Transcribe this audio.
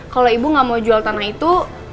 kalau ibu nggak mau jual tanah itu